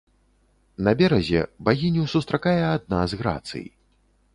На беразе багіню сустракае адна з грацый.